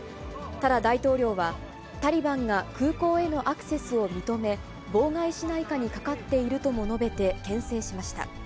ただ、大統領は、タリバンが空港へのアクセスを認め、妨害しないかにかかっているとも述べて、けん制しました。